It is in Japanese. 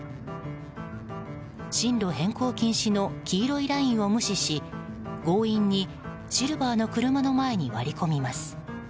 進路変更禁止の黄色いラインを無視し強引にシルバーの車の前に割り込みます。